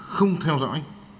không theo dõi